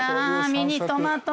ミニトマト。